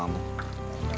kamu cinta sama aku